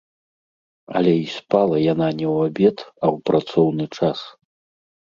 Але і спала яна не ў абед, а ў працоўны час.